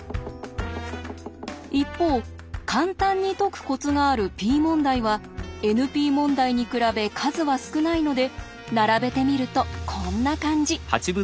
一方簡単に解くコツがあるＰ問題はＮＰ問題に比べ数は少ないので並べてみるとこんな感じ。